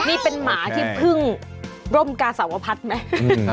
ที่เป็นหมาที่เพิ่งร่มกาเสาพัตรไหม